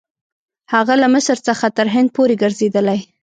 هغه له مصر څخه تر هند پورې ګرځېدلی.